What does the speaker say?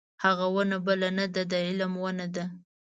هغه ونه بله نه ده د علم ونه ده.